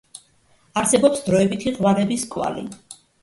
არსებობს დროებითი ღვარების კვალი.